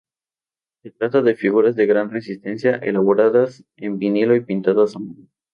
Se trata de figuras de gran resistencia, elaboradas en vinilo y pintadas a mano.